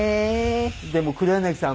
でも黒柳さん